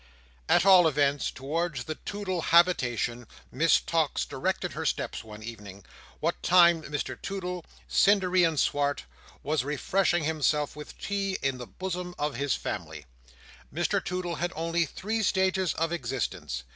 At all events, towards the Toodle habitation Miss Tox directed her steps one evening, what time Mr Toodle, cindery and swart, was refreshing himself with tea, in the bosom of his family. Mr Toodle had only three stages of existence.